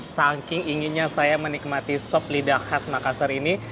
saking inginnya saya menikmati sop lidah khas makassar ini